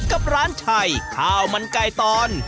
กับร้านชัยข้าวมันไก่ตอน